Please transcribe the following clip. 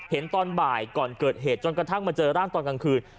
ตอนบ่ายก่อนเกิดเหตุจนกระทั่งมาเจอร่างตอนกลางคืน